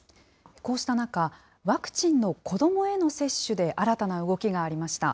こうした中、ワクチンの子どもへの接種で新たな動きがありました。